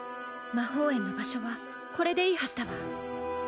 魔法円の場所はこれでいいはずだわ。